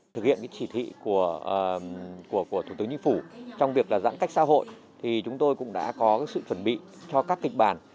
thực hiện chỉ thị của thủ tướng nhân phủ trong việc giãn cách xã hội thì chúng tôi cũng đã có sự chuẩn bị cho các kịch bản